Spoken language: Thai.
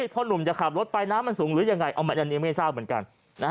หนุ่มจะขับรถไปน้ำมันสูงหรือยังไงอันนี้ไม่ทราบเหมือนกัน